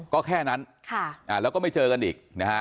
ก็แค่นั้นแล้วก็ไม่เจอกันอีกนะฮะ